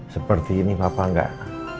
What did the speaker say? seperti ini papa nggak